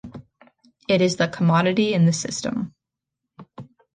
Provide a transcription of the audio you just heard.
It is the commodity in the system.